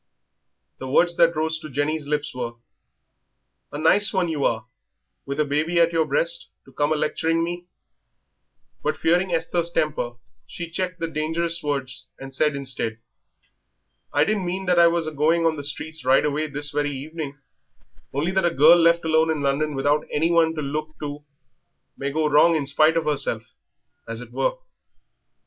The words that rose to Jenny's lips were: "A nice one you are, with a baby at your breast, to come a lecturing me," but, fearing Esther's temper, she checked the dangerous words and said instead "I didn't mean that I was a going on the streets right away this very evening, only that a girl left alone in London without anyone to look to may go wrong in spite of herself, as it were."